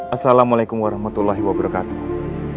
assalamualaikum warahmatullahi wabarakatuh